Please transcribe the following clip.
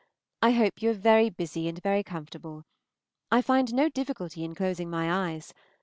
I hope you are very busy and very comfortable. I find no difficulty in closing my eyes.